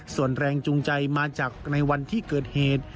ส่วนแรงจูงใจมาจากในวันที่เกิดเหตุ